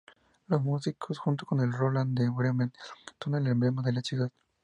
Los músicos, junto con el Roland de Bremen, son el emblema de la ciudad.